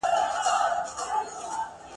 د ملالي دننګ چيغي ..